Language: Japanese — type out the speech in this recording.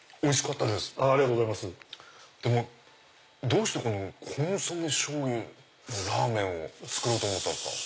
どうしてコンソメしょうゆラーメンを作ろうと思ったんですか？